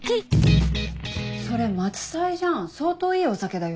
それ松祭じゃん相当いいお酒だよ。